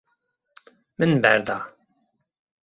Min berda.